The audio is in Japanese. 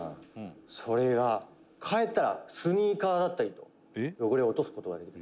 「それが、替えたらスニーカーだったりの汚れを落とす事ができる」